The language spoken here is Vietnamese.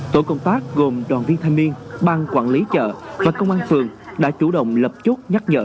tổ công tác gồm đoàn viên thanh niên bang quản lý chợ và công an phường đã chủ động lập chốt nhắc nhở